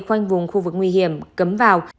quanh vùng khu vực nguy hiểm cấm vào